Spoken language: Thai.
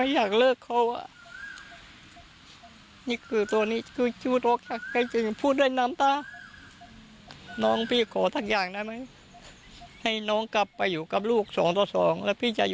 สรุปนัดเจอกันที่โรงพักนะคะ